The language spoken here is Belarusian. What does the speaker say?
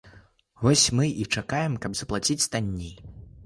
Вось мы і чакаем, каб заплаціць танней.